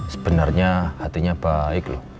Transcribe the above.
sebenernya hatinya baik loh